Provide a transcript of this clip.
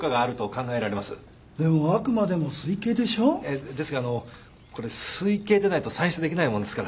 でもあくまでも推計でしょ？ですがあのうこれ推計でないと算出できないもんですから。